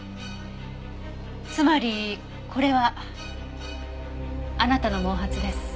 つまりこれはあなたの毛髪です。